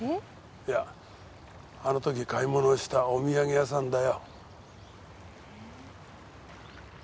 いやあの時買い物したお土産屋さんだよ。